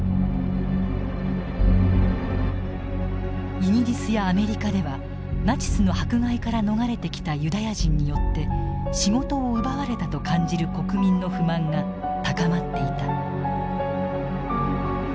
イギリスやアメリカではナチスの迫害から逃れてきたユダヤ人によって仕事を奪われたと感じる国民の不満が高まっていた。